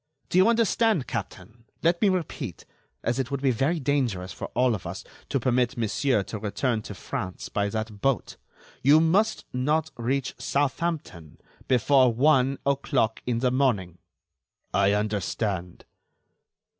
Do you understand, captain? Let me repeat: As it would be very dangerous for all of us to permit Monsieur to return to France by that boat, you must not reach Southampton before one o'clock in the morning." "I understand."